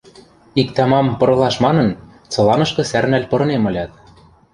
Иктӓ-мам пырылаш манын, цыланышкы сӓрнӓл пырынем ылят